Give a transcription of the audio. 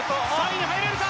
３位に入れるか。